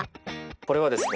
これはですね